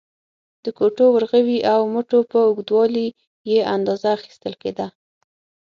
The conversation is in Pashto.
د ګوتو، ورغوي او مټو په اوږدوالي یې اندازه اخیستل کېده.